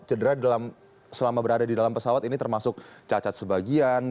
cedera selama berada di dalam pesawat ini termasuk cacat sebagian